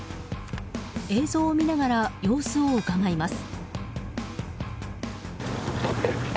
映像を見ながら様子をうかがいます。